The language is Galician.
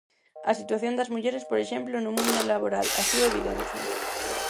A situación das mulleres, por exemplo, no mundo laboral así o evidencia.